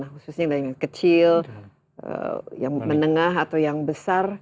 khususnya yang kecil yang menengah atau yang besar